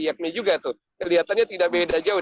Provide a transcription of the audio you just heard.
yakni juga tuh kelihatannya tidak beda jauh